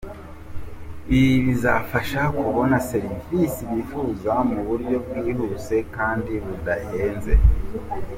Ibi bizabafasha kubona serivisi bifuza mu buryo bwihuse kandi budahenze.